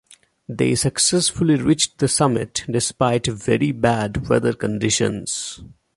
They successfully reached the summit despite very bad weather conditions.